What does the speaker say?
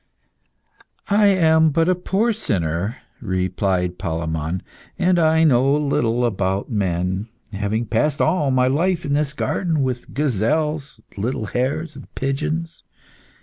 "I am but a poor sinner," replied Palemon, "and I know little about men, having passed all my life in this garden, with gazelles, little hares and pigeons.